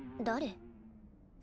誰？